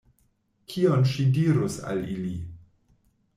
Kion ŝi dirus al ili?